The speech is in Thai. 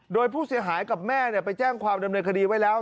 โดยผู้เสียหายกับแม่ไปแจ้งความดำเนินคดีไว้แล้ว